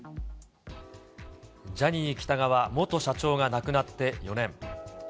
ジャニー喜多川元社長が亡くなって４年。